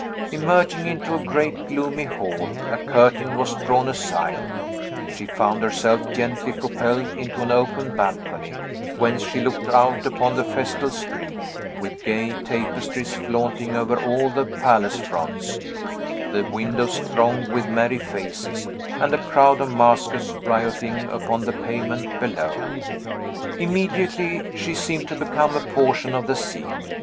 Emerging into a great, gloomy hall, a curtain was drawn aside; she found herself gently propelled into an open balcony, whence she looked out upon the festal street, with gay tapestries flaunting over all the palace fronts, the windows thronged with merry faces, and a crowd of maskers rioting upon the pavement below. Immediately she seemed to become a portion of the scene.